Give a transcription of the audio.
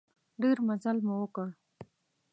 ډېر مزل مو وکړ.